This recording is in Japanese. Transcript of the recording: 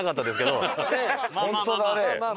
本当だね。